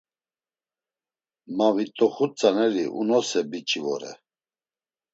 Ma vit̆oxut tzaneri unose biç̌i vore.